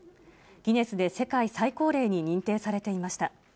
ギネスで世界最高齢に認定されていました。